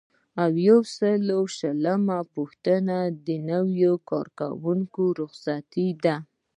یو سل او شلمه پوښتنه د نوي کارکوونکي رخصتي ده.